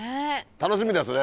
楽しみですね